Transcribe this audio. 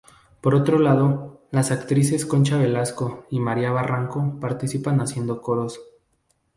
Por otro lado, las actrices Concha Velasco y María Barranco participan haciendo coros.